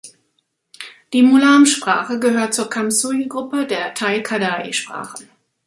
Die Mulam-Sprache gehört zur Kam-Sui-Gruppe der Tai-Kadai-Sprachen.